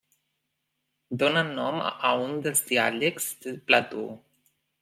Dóna nom a un dels diàlegs de Plató.